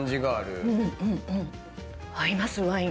合いますワイン。